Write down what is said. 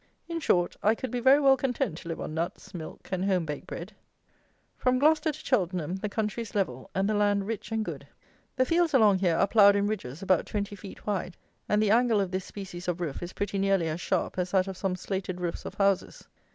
In short, I could be very well content to live on nuts, milk, and home baked bread. From Gloucester to Cheltenham the country is level, and the land rich and good. The fields along here are ploughed in ridges about 20 feet wide, and the angle of this species of roof is pretty nearly as sharp as that of some slated roofs of houses.